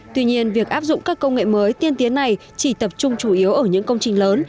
tuy nhiên việc áp dụng các công nghệ mới tiên tiến này chỉ tập trung chủ yếu ở những công trình lớn